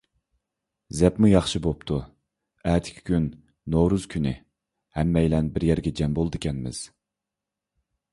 زەپمۇ ياخشى بوپتۇ، ئەتىكى كۈن نورۇز كۈنى، ھەممەيلەن بىر يەرگە جەم بولىدىكەنمىز.